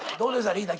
リーダー